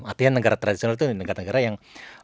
artinya negara tradisional itu negara negara yang